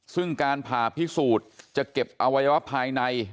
ซึ่งการผ่าพิสูจน์จะเก็บอวัยวะภายใน